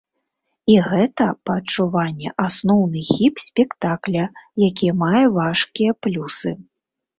І гэта, па адчуванні, асноўны хіб спектакля, які мае важкія плюсы.